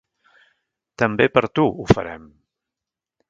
També per tu, ho farem!